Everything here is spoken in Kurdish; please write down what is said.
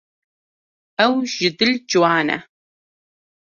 Ew ji dil ciwan e.